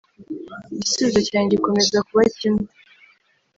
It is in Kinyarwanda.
igisubizo cyanjye gikomeza kuba kimwe